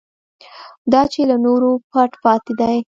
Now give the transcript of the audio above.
دا چې له نورو پټ پاتې دی.